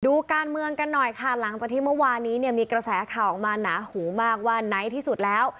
ดูการเมืองกันหน่อยค่ะหลังจากที่เมื่อวานนี้เนี่ยมีกระแสข่าวออกมาหนาหูมากว่าไหนที่สุดแล้ว